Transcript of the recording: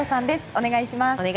お願いします。